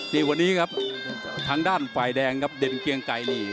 นี่วันนี้ครับทางด้านฝ่ายแดงครับเด่นเกียงไก่นี่